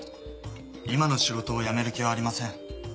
今の仕事を辞める気はありません。